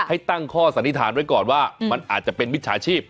ตั้งข้อสันนิษฐานไว้ก่อนว่ามันอาจจะเป็นมิจฉาชีพ